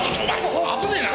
危ねえな！